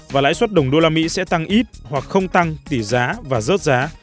và lãi suất đồng đô la mỹ sẽ tăng ít hoặc không tăng tỷ giá và rớt giá